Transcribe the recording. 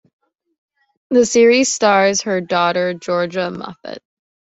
The series stars her daughter Georgia Moffett.